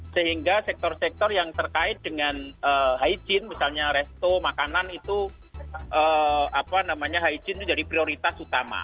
sehingga sektor sektor yang terkait dengan hygiene misalnya resto makanan itu apa namanya hygiene itu jadi prioritas utama